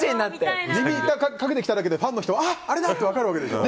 耳をつけてきただけでファンの人にあれだ！って分かるわけでしょ。